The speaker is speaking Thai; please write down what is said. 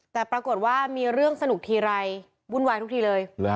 แต่ปรากฏว่ามีเรื่องสนุกทีไรวุ่นวายทุกทีเลย